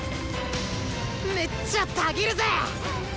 めっちゃたぎるぜ！